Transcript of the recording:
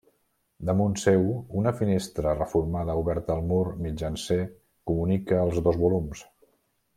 Damunt seu, una finestra reformada oberta al mur mitjancer comunica els dos volums.